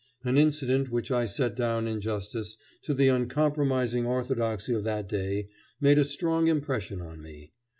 An incident which I set down in justice to the uncompromising orthodoxy of that day, made a strong impression on me.